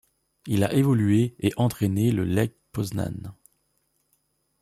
Il a évolué et entraîné le Lech Poznań.